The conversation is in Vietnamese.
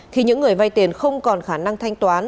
khi những người vay tiền không còn khả năng thanh toán